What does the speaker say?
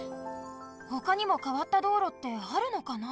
ほかにもかわった道路ってあるのかな？